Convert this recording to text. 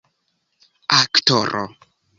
aktoro